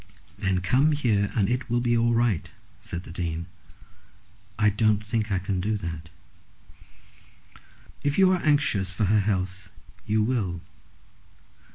"Then come here, and it will be all right," said the Dean. "I don't think that I can do that." "If you are anxious for her health you will."